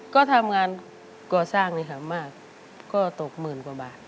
ก็ทำงานก่อสร้างนี่ค่ะมากก็ตกหมื่นกว่าบาท